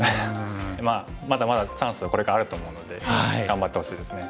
まあまだまだチャンスはこれからあると思うので頑張ってほしいですね。